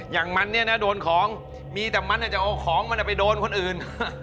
อย่างมันเนี่ยนะโดนของมีแต่มันอาจจะเอาของมันไปโดนคนอื่น